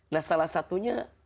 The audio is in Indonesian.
nah salah satunya